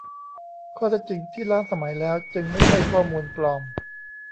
ข้อเท็จจริงที่ล้าสมัยแล้วจึงไม่ใช่ข้อมูลปลอม